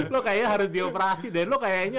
lo kayaknya harus dioperasi deh lo kayaknya